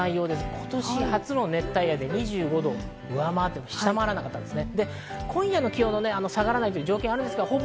今年初の熱帯夜、２５度を下回らなかったですね。